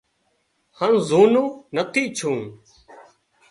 هانَ زُونو ٿئي جھو